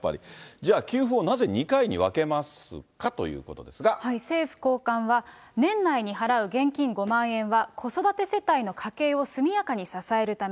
じゃあ、給付をなぜ２回に分けま政府高官は、年内に払う現金５万円は子育て世代の家計を速やかに支えるため。